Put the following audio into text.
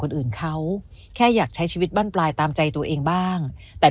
คนอื่นเขาแค่อยากใช้ชีวิตบั้นปลายตามใจตัวเองบ้างแต่